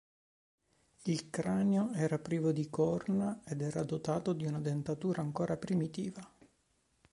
Il cranio era privo di corna ed era dotato di una dentatura ancora primitiva.